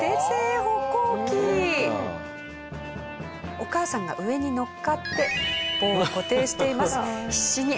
お母さんが上にのっかって棒を固定しています。